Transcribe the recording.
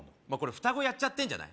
双子やっちゃってんじゃない？